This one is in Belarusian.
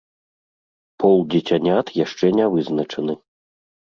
Пол дзіцянят яшчэ не вызначаны.